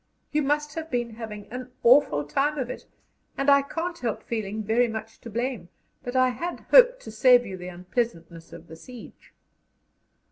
You must have been having an awful time of it, and I can't help feeling very much to blame; but I had hoped to save you the unpleasantness of the siege.